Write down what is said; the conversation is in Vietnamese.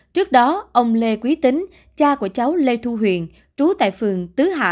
trước đó ông lê quý tính cha của cháu lê thu huyền trú tại phường tứ hạ